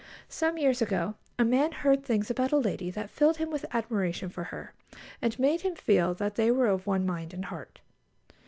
Some years ago a man heard things about a lady that filled him with admiration for her, and made him feel that they were of one mind and heart.